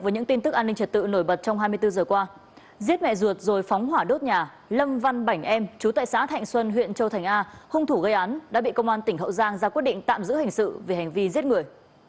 với những tin tức an ninh trật tự nổi bật trong hai mươi bốn giờ qua giết mẹ ruột rồi phóng hỏa đốt nhà lâm văn bảnh em chú tại xã thạnh xuân huyện châu thành a hung thủ gây án đã bị công an tỉnh hậu giang ra quyết định tạm giữ hình sự về hành vi giết người